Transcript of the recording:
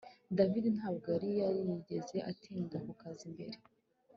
David ntabwo yari yarigeze atinda ku kazi mbere